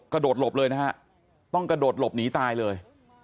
กระโดดหลบเลยนะฮะต้องกระโดดหลบหนีตายเลย